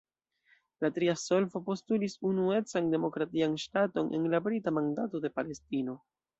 La tria solvo postulis unuecan demokratian ŝtaton en la Brita Mandato de Palestino.